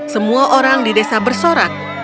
semua orang di desa bersorak